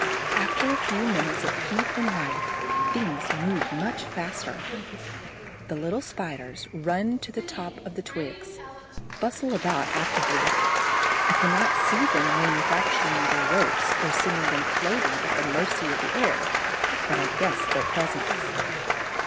After a few minutes of heat and light, things move much faster. The little Spiders run to the top of the twigs, bustle about actively. I cannot see them manufacturing the ropes or sending them floating at the mercy of the air; but I guess their presence.